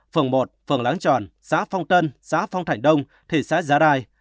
phường một phường láng tròn xã phong tân xã phong thạnh đông thị xã giá đai